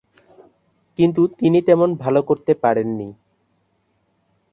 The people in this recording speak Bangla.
কিন্তু তিনি তেমন ভাল করতে পারেননি।